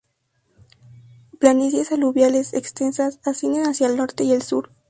Planicies aluviales extensas ascienden hacia el norte y el sur.